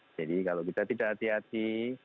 jadi kalau kita tidak hati hati